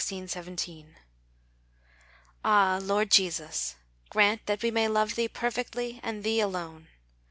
_ Ah, Lord Jesus, grant that we may love Thee perfectly and Thee alone.